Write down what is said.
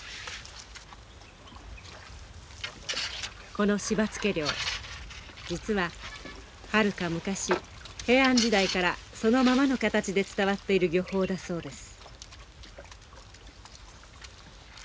この柴つけ漁実ははるか昔平安時代からそのままの形で伝わっている漁法だそうです。